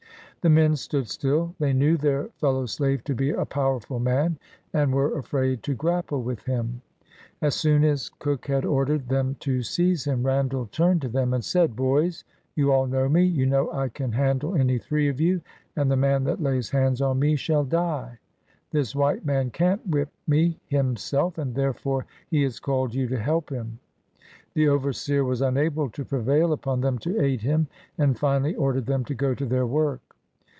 The men stood still ; they knew their fellow slave to be a powerful man, and were afraid to grapple with him. As soon as Cook had ordered them to seize him, Randall turned to them and said —" Boys, you all know me; you know I can handle any three of you ; and the man that lays hands on me shall die. This white man can 't whip me him self, and therefore he has called you to help him." The overseer was unable to prevail upon them to aid him, and finally ordered them to go to their work.